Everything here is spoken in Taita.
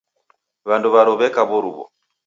W'andu w'aro w'eka w'oruw'o.